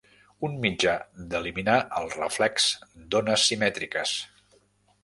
Un mitjà d'eliminar el reflex d'ones simètriques.